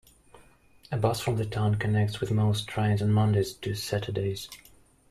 A bus from the town connects with most trains on Mondays to Saturdays.